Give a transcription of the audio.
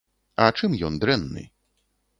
А чым ён дрэнны?